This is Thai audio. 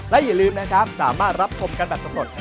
และอย่าลืมนะครับสามารถรับชมกันแบบสำรวจ